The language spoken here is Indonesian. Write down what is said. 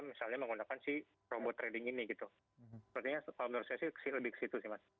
misalnya menggunakan si robot trading ini gitu sepertinya kalau menurut saya sih lebih ke situ sih mas